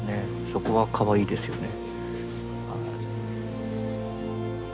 そこはかわいいですよね。